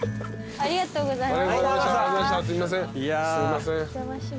ありがとうございます。